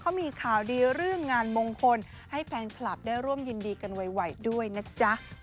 เขามีข่าวดีเรื่องงานมงคลให้แฟนคลับได้ร่วมยินดีกันไวด้วยนะจ๊ะ